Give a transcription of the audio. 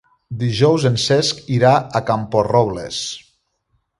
Dijous en Cesc irà a Camporrobles.